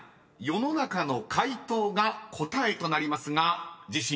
世の中の回答が答えとなりますが自信は？］